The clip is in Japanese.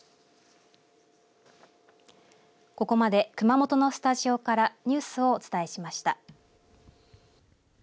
ここまで熊本のスタジオからニュースをお伝えしました。